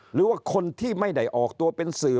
หรือว่าคนที่ไม่ได้ออกตัวเป็นสื่อ